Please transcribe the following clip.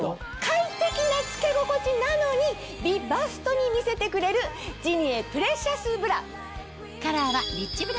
快適な着け心地なのに美バストに見せてくれるジニエプレシャスブラ。